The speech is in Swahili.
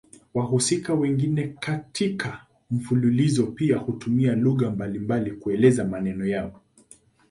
Wahusika wengine katika mfululizo pia hutumia lugha mbalimbali kuelezea maneno yao.